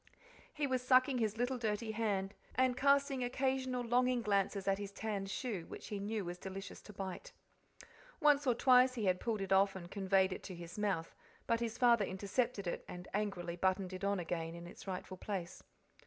He was sucking his little dirty hand, and casting occasional longing glances at his tan shoe, which he knew was delicious to bite. Once or twice he had pulled it off and conveyed it to his mouth, but his father intercepted it, and angrily buttoned it on again in its rightful place.